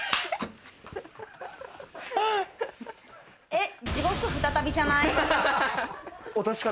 えっ？